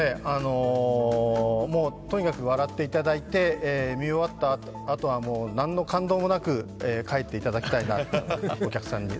とにかく笑っていただいて、見終わったあとはもう何の感動もなく帰っていただきたいなと、お客さんに。